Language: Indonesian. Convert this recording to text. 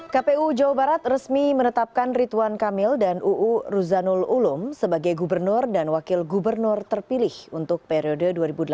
kpu jawa barat resmi menetapkan rituan kamil dan uu ruzanul ulum sebagai gubernur dan wakil gubernur terpilih untuk periode dua ribu delapan belas dua ribu dua puluh